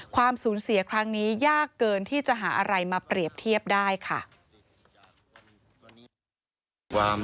ความสูญเสียครั้งนี้ยากเกินที่จะหาอะไรมาเปรียบเทียบได้ค่ะ